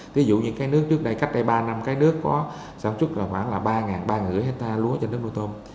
ví dụ như cái nước trước đây cách đây ba năm cái nước có sản xuất khoảng là ba ba năm trăm linh hectare lúa trên đất nuôi tôm